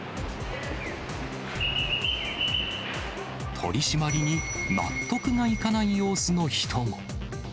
取締りに納得がいかない様子の人も。